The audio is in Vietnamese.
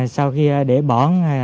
sau khi để bỏ